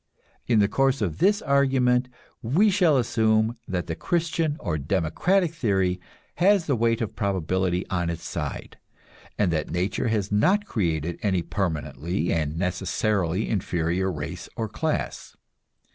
In the course of this argument we shall assume that the Christian or democratic theory has the weight of probability on its side, and that nature has not created any permanently and necessarily inferior race or class.